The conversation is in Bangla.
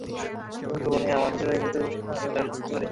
তুমি ভাবোনি আমরা নিজেরাই নিজেদের দেখাশোনা করতে পারি।